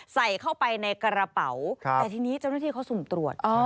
ใส่เข้าไปในกระเป๋าแต่ทีนี้เจ้าหน้าที่เขาสุ่มตรวจ